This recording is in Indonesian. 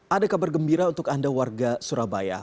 ada kabar gembira untuk anda warga surabaya